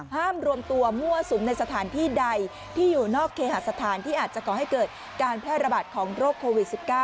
รวมตัวมั่วสุมในสถานที่ใดที่อยู่นอกเคหาสถานที่อาจจะก่อให้เกิดการแพร่ระบาดของโรคโควิด๑๙